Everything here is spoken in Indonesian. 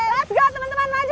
let's go teman teman maju